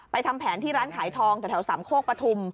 ไปทำแผนที่ร้านขายทองจากแถวสามโคกกะทุ่ม